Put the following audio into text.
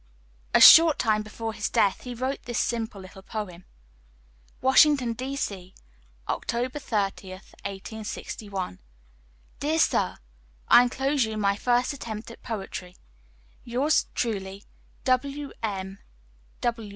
A short time before his death he wrote this simple little poem: "WASHINGTON, D. C., October 30, 1861. DEAR SIR: I enclose you my first attempt at poetry. "Yours truly, "WM.